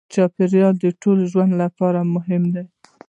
چاپېریال د ټولو ژوند لپاره مهم دی.